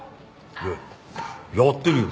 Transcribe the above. いややってるよ